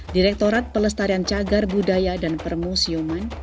direktorat pelestarian cagar budaya dan permusiuman